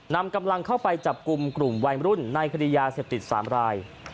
นำกำลังเข้าไปจับกลุ่มกลุ่มวัยรุ่นในคดียาเสพติด๓ราย